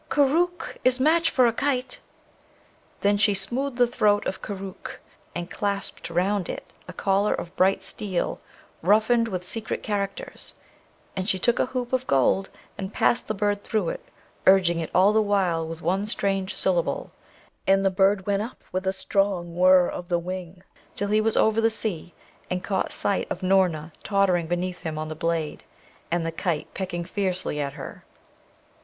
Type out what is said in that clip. Koorookh is match for a kite!' Then she smoothed the throat of Koorookh, and clasped round it a collar of bright steel, roughened with secret characters; and she took a hoop of gold, and passed the bird through it, urging it all the while with one strange syllable; and the bird went up with a strong whirr of the wing till he was over the sea, and caught sight of Noorna tottering beneath him on the blade, and the kite pecking fiercely at her.